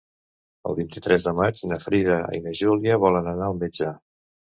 El vint-i-tres de maig na Frida i na Júlia volen anar al metge.